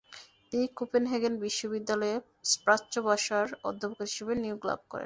তিনি কোপেনহেগেন বিশ্ববিদ্যালয় এ প্রাচ্য ভাষার অধ্যাপক হিসেবে নিয়োগ লাভ করেন।